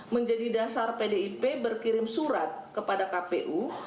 menjadi dasar pdip berkirim surat kepada kpu